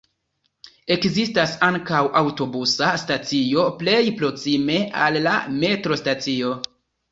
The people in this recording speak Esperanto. Ekzistas ankaŭ aŭtobusa stacio plej proksime al la metrostacio.